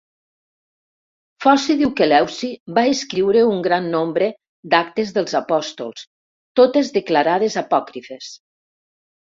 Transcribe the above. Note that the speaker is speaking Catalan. Foci diu que Leuci va escriure un gran nombre d'Actes dels Apòstols, totes declarades apòcrifes.